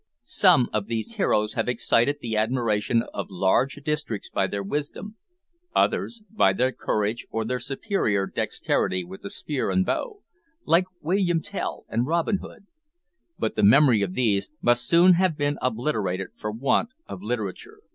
Some of these heroes have excited the admiration of large districts by their wisdom, others by their courage or their superior dexterity with the spear and bow, like William Tell and Robin Hood, but the memory of these must soon have been obliterated for want of literature.